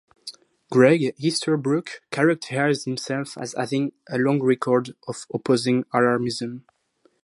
Gregg Easterbrook characterized himself as having "a long record of opposing alarmism".